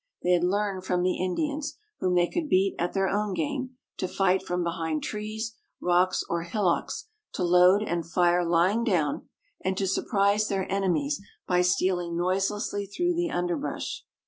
They had learned from the Indians, whom they could beat at their own game, to fight from behind trees, rocks, or hillocks, to load and fire lying down, and to surprise their enemies by stealing noiselessly through the underbrush.